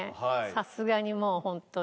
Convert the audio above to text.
さすがにもうホントに。